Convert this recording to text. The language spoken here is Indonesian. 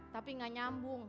tapi enggak nyambung